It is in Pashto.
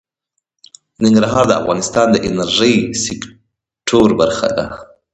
ننګرهار د افغانستان د انرژۍ سکتور برخه ده.